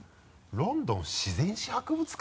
「ロンドン自然史博物館」！